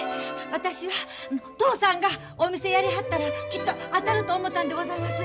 私は嬢さんがお店やりはったらきっと当たると思たんでございます。